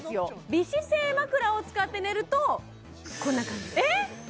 美姿勢まくらを使って寝るとこんな感じえっ